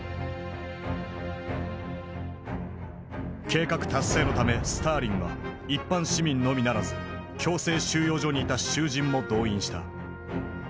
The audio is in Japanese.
計画達成のためスターリンは一般市民のみならず強制収容所にいた囚人も動員した。